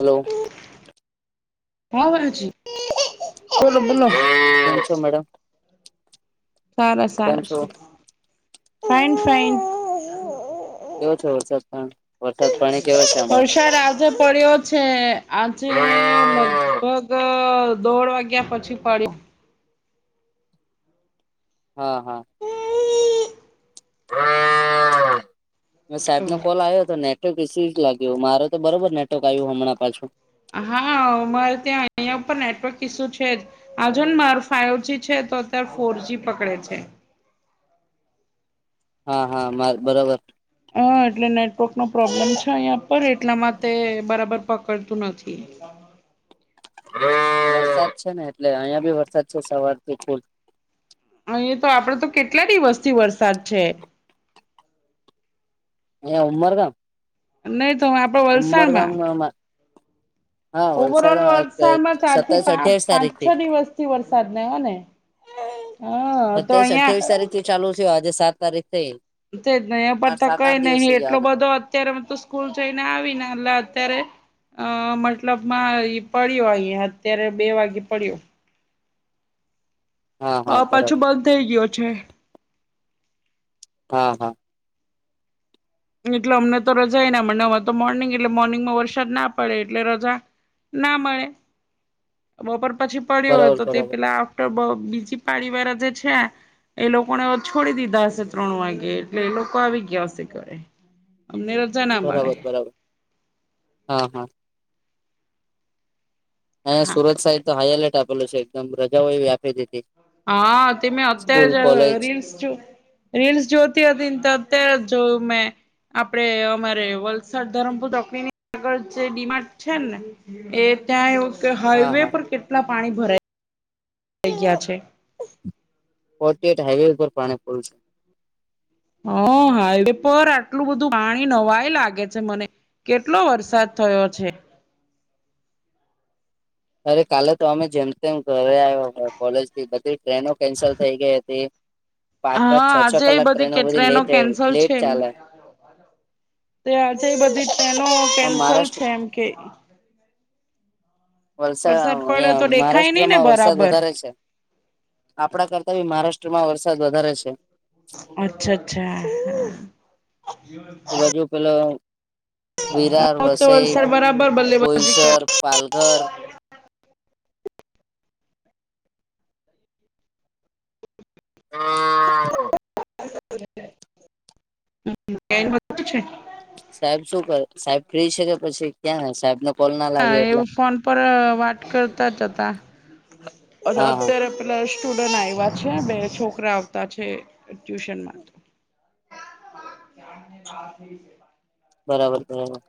Hello [unintelligible] બોલો બોલો છો મેડમ. સારા કેમ સારા છો છે ફાઇન ફાઇન કેવો છે વરસાદ [inaudible] પાણી કેવો છે હમણાં વસાદ આજે પડ્યો છે આજે લગ પગ દોઢ વાગ્યા પછી પડીયું. હા હા [inaudible] સાહેબ નો કોલ આવ્યો હતો ને [inaudible] જ લાગ્યું મારે તો બરોબર નેટવર્ક આવ્યું હમણાં પાછું હા અમારે ત્યાં અયાન પણ નેટવર્ક કિસ્સું છે જ આજો ને મારે ફાઈવજી છે તો અત્યારે ફોરજી પકડે છે હા હા માતો બરોબર. હ એટલે નેટવર્ક નો પ્રોબ્લેમ છે અહિયાં પર એટલામાં તે બરાબર પકડતું નથી [inaudible] વરસાદ છે ને એટલે અહિયાં બી વરસાદ છે સવારથી ફૂલ અહી તો આપડે તો કેટલા દિવસથી વરસાદ છે એ ઉમરગામ. નહી તો, આપડે ઉમરગામ વલસાડમાં. હા, વલસાડ ઓવરઓલ વલસાડમાં ચાર થી સતાવીસ-અઠ્યાવીસ પાંચ છ તારીખથી દિવસ થી વરસાદ નયો ને હા તો સત્યાવીસ અહિયાં અઠયાવીસ તારીખ થી ચાલુ છે આજે સાત તારીખ થઈ. જ એ પણ તો સાત કઈ આઠ દિવસ નહી થઈ ગયા એટલો આના. બધો. અત્યારે તો સ્કૂલ જઈને આવીને એટલે અત્યારે અહ મતલબમાં ઈ પડી વળયા અત્યારે બે વાગે પડી વળયા હા હ હા પાછું બરાબર બંધ થઇ ગયો છે હા હા એટલે અમને તો રજા એ ના મને અમારે તો મોર્નિંગ એટલે મોર્નિંગમાં વરસાદ ના પડે એટલે રજા ના મળે બપોર પછી બરાબર તો બરાબર તેમા [unintelligible] બીજી પાડીવાર જ છે એ લોકોને હવે છોડી દીધા હશે ત્રણ વાગે એટલે એ લોકો આવી ગયાશે એમને તો છે ને બરાબર, બરાબર, હા, હા. અ હા સુરત સાઈડ તો હાઈ એલર્ટ આપેલું છે, રજાઓ એ વ્યાપે દિધી‌. હા, તમે અત્યારે જ રીલ્સ જો. રીલ્સ જ્યોતિ હતી, જો મે આપડે અમારે વલસાડ ધરમપુરક આગળ જે ડીમાર્ટ છે ને એ ત્યાં એવું કે હા હાઈવે હા પર કેટલા પાણી ભરાય. થઈ ગયા છે. ફોર્ટી એટ હાઈવે ઉપર પાણી ફુલ છે. હ હાઈવે પર આટલું બધું પાણી નવાઈ લાગે છે મને. કેટલો વરસાદ થયો છે. અરે કાલે તો અમે જેમ તેમ ઘરે આવ્યા કોલેજ થી બધી ટ્રેનો કેન્સલ થઈ ગઈ હતી. પાંચ પાંચ હા છ છ આજે કલાક ટ્રેનો કે બધી લેટ કેન્સલ લેટ છે ચાલે. તે આજે બધી ટ્રેનો આમ કેન્સલ છે એમ કે. વલસા વરસાદ પડે અહીંયા તો દેખાય નહી ને મહારાષ્ટ્રમાં વરસાદ બરાબર વધારે છે. આપડા કરતા બી મહારાષ્ટ્રમાં વરસાદ વધારે છે. અચ્છા અચ્છા હા. એ બાજુ પેલો આ વિરાર વખતે વસઈ વરસાદ બરાબર બલ્લેબાજી બોઈસર. પાલઘર. [unintelligible] [inaudible] સાહેબ શું કરે સાહેબ ફ્રી શે કે પછી ક્યાં સાહેબ ને? હા એ ફોન પર વાત કરતા જ હતા અને હા હા અત્યારે પેલા સ્ટુડન્ટ આવ્યા છે બે છોકરા આવતા છે ટ્યુશનમાં. [unintelligible] બરાબર બરાબર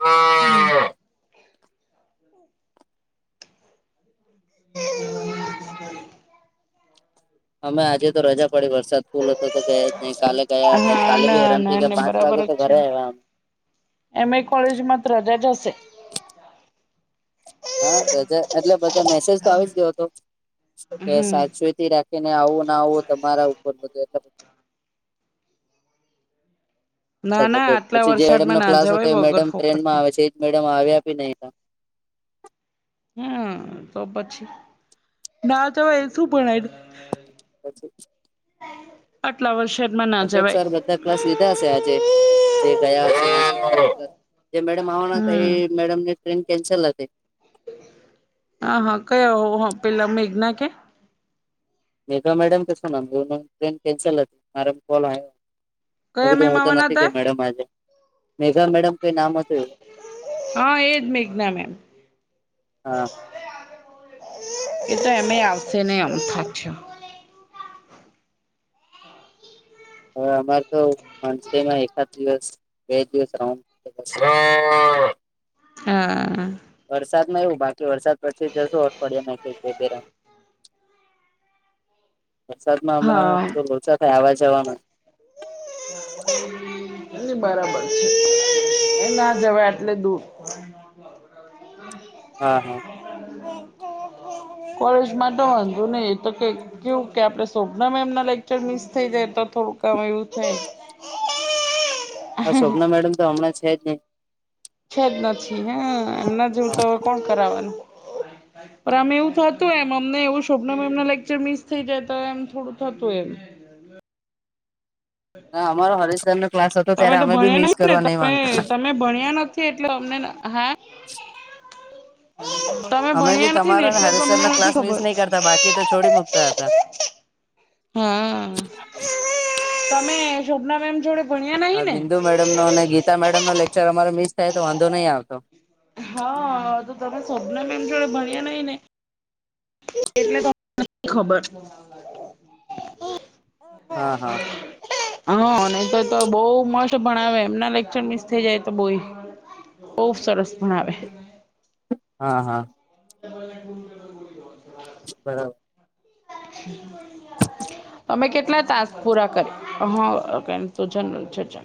[inaudible] હમ્મ. [unintelligible] અમે આજે તો રજા પાડી વરસાદ ફૂલો હતો તો ગયા જ નહી કાલે ગયા હતા હા કાલે ભી ના હેરાન ના થી ના પાચ બરાબર વાગે જ તો છે ઘરે ને આયવા અમે. એમ એ કોલેજમાં રજા જ હશે. હા બધા એટલે બધા મેસેજ તો આવી જ ગયો હતો કે હમ સાચવી થી રાખીને આવો ના આવો તમારા ઉપર થઈ જાય. ના અછા ના તો આટલા પછી જે મેડમ વરસાદમાં નો ના ક્લાસ હતો જવાય એ વગર મેડમ ટ્રેનમાં ફોકટમાં આવે છે એ જ મેડમ આવે આપી નહી. હમ્મ તો પછી ના તોવે શું ભણાયુ તું પછી જ [inaudible] આટલા વર્ષ માં અશોક સર બધા ક્લાસ લીધા હશે આજે જે ગયા હશે [unintelligible] જે મેડમ આવાના કહી હમ એ મેડમ ને ટ્રેન કેન્સલ હતી. હા હા કયા હો પેલા મેઘના કે મેઘા મેડમ કશ ના ટ્રેન કેન્સલ હતી મારા કોલ મે કયા કીધું મેમ હું તો આવવાના નથી હતા ગયો મેડમ આજે મેઘા મેડમ કઈ નામ હતું એવું હા એજ મેઘના મેમ. હા એ તો એમે આવશે ને [unintelligible] હવે અમારે તો મંથલીમાં એકાદ દિવસ બે દિવસ રાઉન્ડ [inaudible] હા. વરસાદ માં એવું બાકી વરસાદ પછી જશું અઠવાડિયામાં એક એક બે બે રાઉન્ડ વરસાદ માં હમણાં હા તો લોચા થાય આવા જવા ના [inaudible] એ ની બરાબર છે એ ના જવાએ એટલે દૂર [inaudible] હા-હા. કોલેજ માટે વાંધુ નહી એ તો કઈ કેવું કે આપડે શોભના મેમના લેક્ચર મિસ થઈ જાય તો થોડું ક આમ એવું થાય આ શોભના મેડમ તો હમણાં છે જ ની છે જ નથી હ એમના જોવું તો કોણ કરવાનું પણ અમે એવું થતું એમ અમને એવું શોભના મેમના લેક્ચર મિસ થઈ જાય તો એમ થોડું થતું એમ હા અમારો હરેશ સરનો ક્લાસ હતો તમે ત્યારે તો અમે બી ભણ્યા મિસ કરવા નહી તમે માંગતા તમે ને ભણ્યા નથી એટલે ન હા તમે અમે બી ભણ્યા નથી ને તમારા એટલે તમને હરેસરનો નથી ક્લાસ મિસ ખબર નહી કરતા બાકી તો છોડી મુકતા હતા. હમ તમે શોભના મેમ જોડે ભણ્યા નહી હા ને બિંદુ મેડમ નો અને ગીતા મેડમ નો લેક્ચર અમારે મિસ થાય તો વાંધો નહી આવતો હા તો તમે શોભના મેમ જોડે ભણ્યા નહી ને એટલે તમને નથી ખબર હા હા હા ને તો તો બઉ મસ્ત ભણાવે એમના લેક્ચર મિસ થઇ જાય તો બઉ ખુબ સરસ ભણાવે હા હા [inaudible] બરાબ [inaudible] તમે કેટલા તાસ પૂરા કર હ [unintelligible]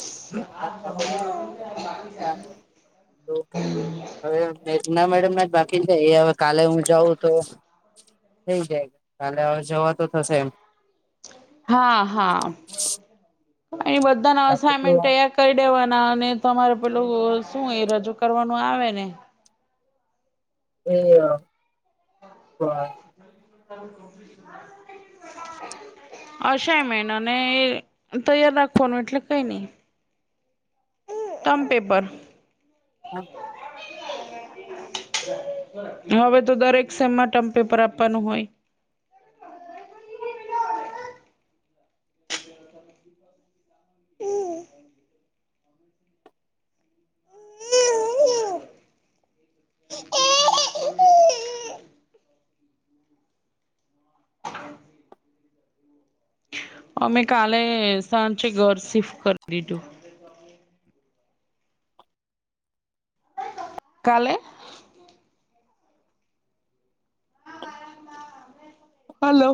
[unintelligible] તો હવે [unintelligible] ના મેડમ ના બાકીછે હવે કાલે હું જાઉં તો થઈ જાય કાલે જવા તો થશે એમ હા હા ને બધાણા બાકી તો અસાઈમેન્ટ કરી દેવાના અને તમારે પેલું શું એ રજૂ કરવાનું આવે ને [unintelligible] [inaudible] [inaudible] અશાય મેન અને એ તૈયાર રાખવાનું એટલે કઈ ની તમ પેપર હ હવે તો દરેક સેમમાં ટમ પેપર આપવાનું હોય હમ મેમે કાલે સાંજે ઘર શિફ્ટ કર દીધું કાલે હલો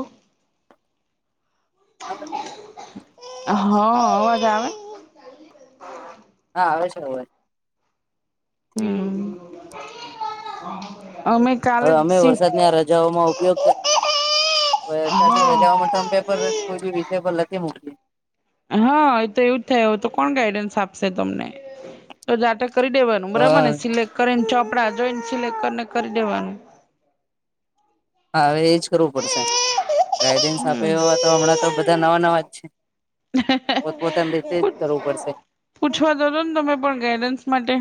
હા અવાજ આવે? હા આવે છે હવે હમ. અમે કાલે હવે જ અમે શિફ્ટ વરસાદની રજાઓમાં ઉપયોગ વરસાદની હા રજાઓમાં ટમ પેપેર હે કોઈ બી વિષય લખી મૂકજો હા એ તો એવું જ થાય, હવેતો કોણ ગાઈડન્સ આપશે તમને, તો જાતે કરી દેવા નો બરાબર ને, હા સિલેક્ટ કરીને ચોપડા જોઈન સિલેક્ટ કરને કરી દેવાનું. હા હવે એજ કરવું પડશે, ગાઈડન્સ આપે હમ ઓ તો હમણાં તો બધા નવા નવા જ છે. પોતપોતામ રીતેજ કરવું પડશે. પૂછવાતો દો ને તમે પણ ગાઈડન્સ માટે.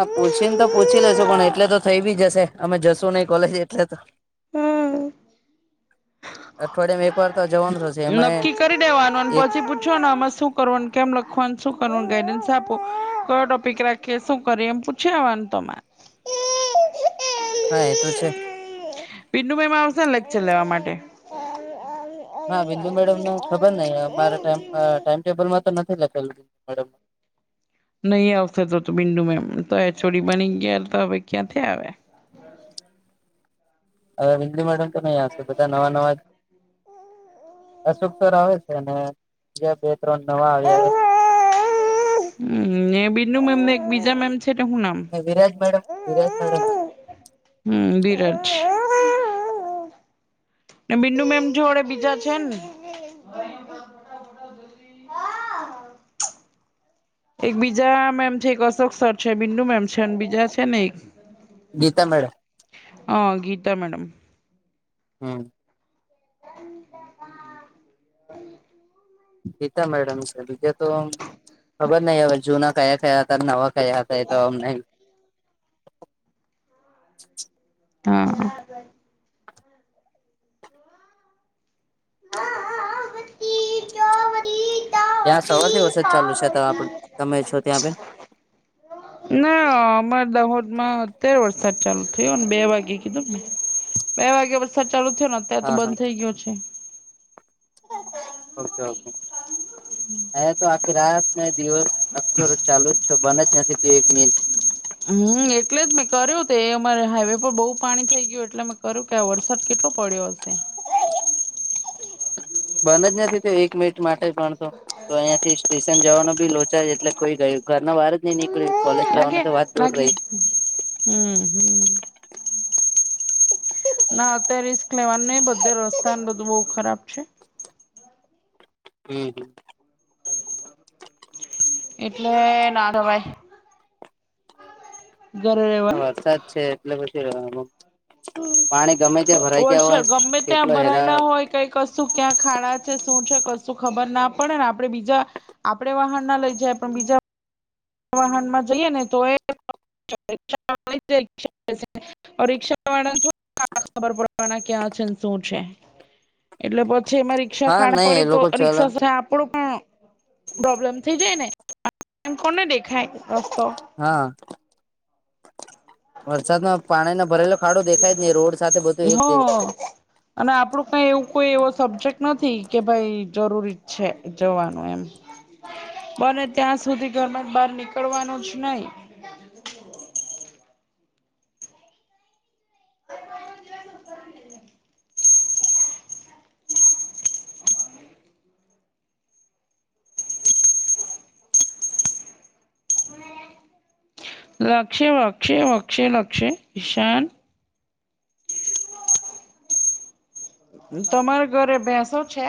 હ પૂછીન તો પૂછી લેશું, પણ એટલે તો થઈબી જશે અમે જશું નહી કોલેજ એટલે તો. હમ્મ અઠવાડિયામાં એક વાર તો જવાનું થશે એમાં નક્કી કરી દેવાનું, અને એક પછી પૂછોવાનુ આમા શું કરવાનું, કેમ લખવાનું? શું કરવાનું? ગાઈડન્સ આપો, કયો ટોપિક રાખીએ? શું કરીએ? એમ પૂછી લેવાનું તમારે. હા એ તો છે. પિન્નુ મેમ આવશે લેક્ચર લેવા માટે. ના બિંદુ મેડમનુ હુ ખબર નહિ, અમારે ટાઇમ અ ટાઈમ ટેબલમાં તો નથી લખેલું, મેડમ. નહીં આવશે તોતો બિન્દુ મેમ, તો એચ ઓ ડી માં નહી ગયા, તો હવે ક્યાંથી આવે. હવે બિંદુ મેડમ તો નહીં આવશે, બધા નવા નવા અશોક સર આવે છે ને, બીજા બે ત્રણ નવા આવ્યા. હમ્મ ને બિંદુ મેમ એક બીજા મેમ છ તેનું હુ નામ. મે બિરાજ મેડમ, બિરાજ મેડમ. હમ્મ બિરાજ. આ બિંદુ મેમ જોડે બીજા છે ને એક બીજા મેમ છે, એક અશોક સર છે, બિંદુ મેમ છે, અને બીજા છે ને એક ગીતા મેડ હા, ગીતા મેડમ હમ્મ [inaudible] ગીતા મેડમ છે, બીજા તો ખબર નહિ હવે જૂના કયા કયા હતા, નવા કયા હતા એ તો અમને. [inaudible] હા. [unintelligible] ત્યાં સવારથી વરસાદ ચાલુ છે? ત્યાં આપડ તમે છો ત્યાં ભે ના, અમારે દાહોદ માં અત્યારે વરસાદ ચાલુ થયો, બે વાગ્યે કીધું મે બે વાગ્યા વરસાદ ચાલુ થયો, અને ને અત્યારે તો હા હા બંધ થઇ ગયો છે. ઓકે ઓકે, અહીંતો આખી રાત ને દિવસ આખો ચાલુ જ છે, બનજ નથી થયો એક મિનટ હમ્મ, એટલે જ મેં કર્યું, તે અમારે હાઈવે પર બહુ પાણી થઈ ગયું, એટલે મેં કર્યું કે આ વરસાદ કેટલો પડ્યો હશે. બંનજ નથી થયો, એક મિનિટ માટે પણતો, તો અહીંયા થી સ્ટેશન જવાનો બી લોચા એટલે કોઈ ગય ઘરના બહાર જ નઈ નીકળ્યું, કોલેજ જવાની તો વાત દૂર રહી. હમ્મ હમ્મ ના અત્યારે રિસ્ક લેવાનું નહિ, બધા રસ્તા ને બધું બહુ ખરાબ છે. હમ્મ, હમ્મ. એટલે ના દવાય. ઘરે હ રહેવાનું વરસાદ છે એટલે પછી રહેવાનું. વ-વરસાદ ગમે ત્યાં કેટલો હેરાન ભરાયેલા હોય કઈ કશું ક્યાં ખાડા છે, શું છે, કશું ખબર ના પડે ને, આપડે બીજા આપડે વાહન ના લઈ જાય, પણ બીજા વાહન માં જઈએ ને તો એ [unintelligible] રિક્ષા વાળા ખબર પડવાના ક્યાં છે શું છે [inaudible] એટલે પછી એમાં રિક્ષા હા ખાણ નહી એ પડી તો લોકો ચલો રિક્ષા સાથે આપણું પણ પ્રોબ્લેમ થઈ જાય ને. એમ કોને દેખાય રસ્તો? હા. વરસાદમાં પાણીનો ભરેલો ખાડો દેખાય જ નહી રોડ સાથે બધું એક દે હા અને આપડું કઈ એવું કોઈ એવો સબ્જેક્ટ નથી કે ભઈ જરૂરી છે જવાનું એમ. [inaudible] બને ત્યાં સુધી ઘરમાં થી બહાર નીકળવાનું જ નહી. [unintelligible] લક્ષ્ય વક્ષ્ય વક્ષ લક્ષ ઈશાન. તમારા ઘરે ભેંસો છે?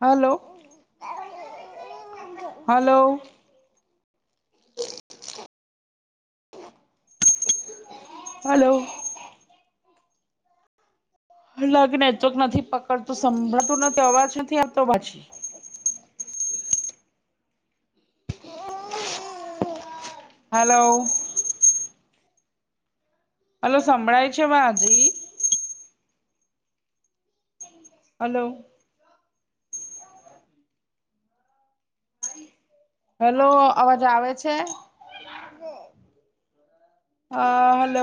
Hello, hello. હલો. હ લગ નનેટવર્ક નથી પકડતું સાભળતું નથી તો અવાજ નથી આપતો પાછી. હાલો. હલો સંંભળાય છે અવાઝ જી. હલો. હલો અવાજ આવે છે? અહ હલો.